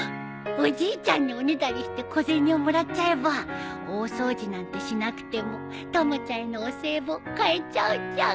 おじいちゃんにおねだりして小銭をもらっちゃえば大掃除なんてしなくてもたまちゃんへのお歳暮買えちゃうじゃん